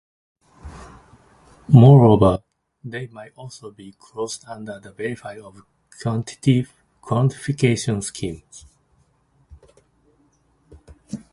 Moreover, they might also be closed under a variety of quantification schemes.